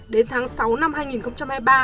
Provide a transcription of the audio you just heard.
đến tháng sáu năm hai nghìn hai mươi ba